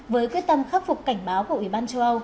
với quyết tâm khắc phục cảnh báo của ủy ban châu âu